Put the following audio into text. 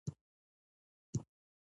د ښار کوڅو کې په ژړا باندې مزلې کوي